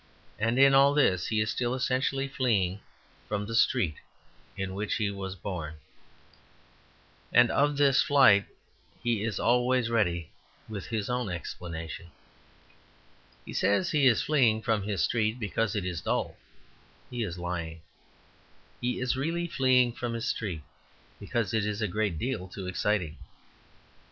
And in all this he is still essentially fleeing from the street in which he was born; and of this flight he is always ready with his own explanation. He says he is fleeing from his street because it is dull; he is lying. He is really fleeing from his street because it is a great deal too exciting.